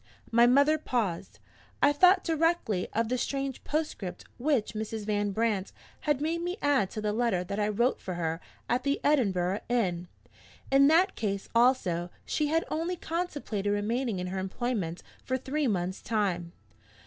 '" My mother paused. I thought directly of the strange postscript which Mrs. Van Brandt had made me add to the letter that I wrote for her at the Edinburgh inn. In that case also she had only contemplated remaining in her employment for three months' time.